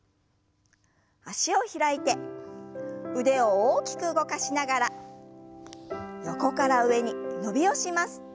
脚を開いて腕を大きく動かしながら横から上に伸びをします。